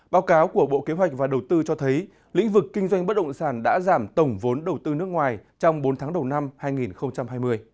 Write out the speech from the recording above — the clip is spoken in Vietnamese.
báo cáo của bộ kế hoạch và đầu tư cho thấy lĩnh vực kinh doanh bất động sản đã giảm tổng vốn đầu tư nước ngoài trong bốn tháng đầu năm hai nghìn hai mươi